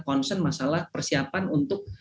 concern masalah persiapan untuk